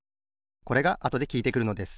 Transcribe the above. これがあとできいてくるのです。